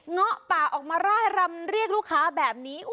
เงาะป่าออกมาร่ายรำเรียกลูกค้าแบบนี้